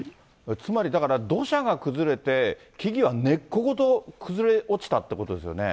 つまりだから土砂が崩れて、木々は根っこごと崩れ落ちたってことですよね。